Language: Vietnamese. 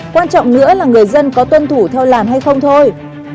quan trọng nữa là người dân có tuân thủ theo làn hay không thôi